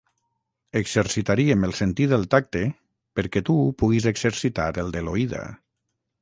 Exercitaríem el sentit del tacte perquè tu puguis exercitar el de l'oïda.